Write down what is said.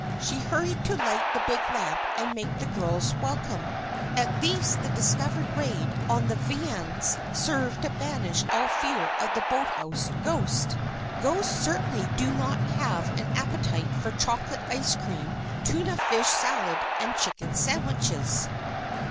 She hurried to light the big lamp and make the girls welcome. At least the discovered raid on the viands served to banish all fear of the boathouse ghost. Ghosts certainly do not have an appetite for chocolate ice cream, tuna fish salad, and chicken sandwiches.